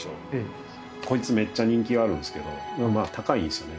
こいつめっちゃ人気があるんですけど高いんですよね